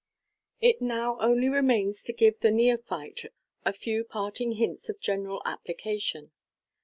It now only remains to give the neophyte a few parting hints of general application.